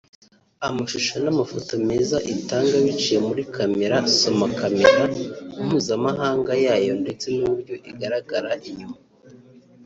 Amashusho n’amafoto meza itanga biciye muri Camera (soma kamera) mpuzamahanga yayo ndetse n’uburyo igaragara inyuma